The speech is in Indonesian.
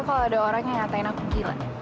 kalau ada orang yang nyatain aku gila